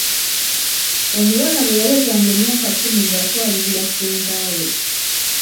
Omuwala bwe yawezanga emyaka kkumi ng'atwalibwa ewa ssengaawe.